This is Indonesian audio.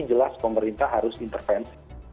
jelas pemerintah harus intervensi